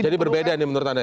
jadi berbeda menurut anda ya